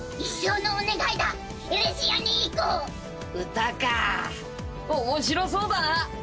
「歌か面白そうだな」